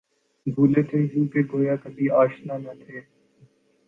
بُھولے تو یوں کہ گویا کبھی آشنا نہ تھے